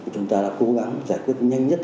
chúng ta đã cố gắng giải quyết nhanh nhất